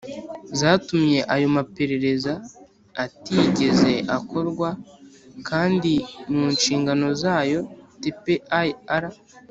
zatumye ayo maperereza atigeze akorwa, kandi mu nshingano zayo tpir